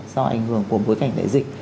do ảnh hưởng của bối cảnh đại dịch